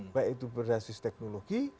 baik itu berhasil teknologi